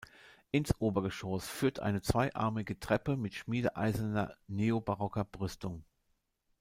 Ins Obergeschoss führt eine zweiarmige Treppe mit schmiedeeiserner neobarocker Brüstung.